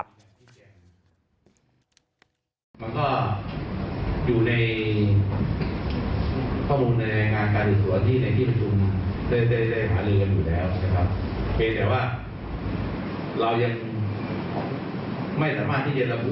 มันจะมีทั้งเรื่องขัดแย้งส่วนตัวก็มีนะครับ